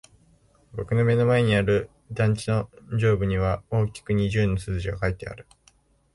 僕の目の前にある団地の上部には大きく二十の数字が書いてある。